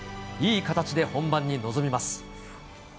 いい形で本番に臨みます。